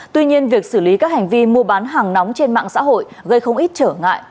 tuy nhiên việc xử lý các hành vi mua bán hàng nóng trên mạng xã hội gây không ít trở ngại